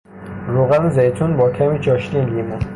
روغن زیتون با کمی چاشنی لیمو